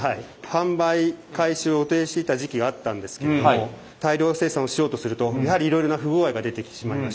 販売開始を予定していた時期があったんですけれども大量生産をしようとするとやはりいろいろな不具合が出てきてしまいまして。